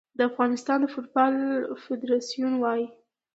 د افغانستان د فوټبال فدراسیون وايي